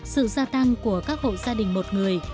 sự gia tăng của các hộ gia đình một người